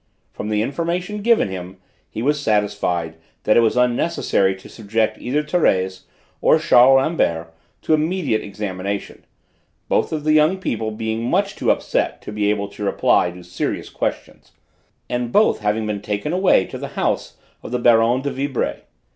From the information given him he was satisfied that it was unnecessary to subject either Thérèse or Charles Rambert to immediate examination, both of the young people being much too upset to be able to reply to serious questions, and both having been taken away to the house of the Baronne de Vibray.